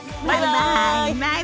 バイバイ！